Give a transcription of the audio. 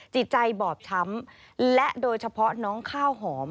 จิตใจบอบช้ำและโดยเฉพาะน้องข้าวหอม